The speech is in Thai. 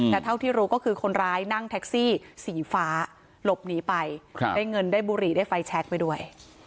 แต่เท่าที่รู้ก็คือคนร้ายนั่งแท็กซี่สีฟ้าหลบหนีไปได้เงินได้บุหรี่ได้ไฟแชคไปด้วย